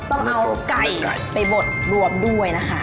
ต้องเอาไก่ไปบดรวมด้วยนะคะ